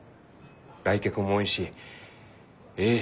来客も多いしえい